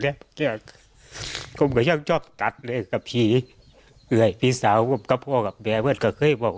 ่งกรารนี้ตอนนี้เราตัดได้เลยครับ